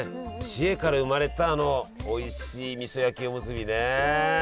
知恵から生まれたあのおいしいみそ焼きおむすびね。